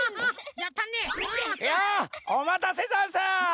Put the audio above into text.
やあおまたせざんす！